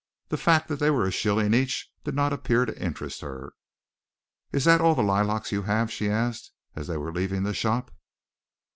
The fact that they were a shilling each did not appear to interest her. "Is that all the lilacs you have?" she asked, as they were leaving the shop.